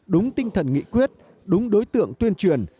đúng tinh thần nghị quyết đúng đối tượng tuyên truyền